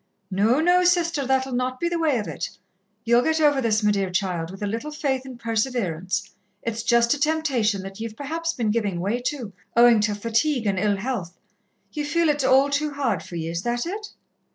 No, no, Sister, that'll not be the way of it. Ye'll get over this, me dear child, with a little faith and perseverance. It's just a temptation, that ye've perhaps been giving way to, owing to fatigue and ill health. Ye feel it's all too hard for ye, is that it?"